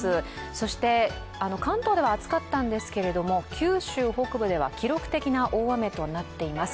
そして関東では暑かったんですけれども九州北部では記録的な大雨となっています。